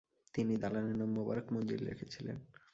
তিনি দালানের নাম মোবারক মঞ্জিল রেখেছিলেন।